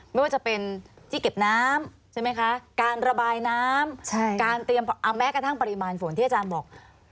ไม่ว่าจะเป็นที่เก็บน้ำการระบายน้ำแม้กระทั่งปริมาณฝนที่อาจารย์บอก